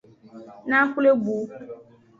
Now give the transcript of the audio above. Naxwle bu.